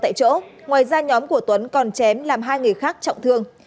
tại chỗ ngoài ra nhóm của tuấn còn chém làm hai người khác trọng thương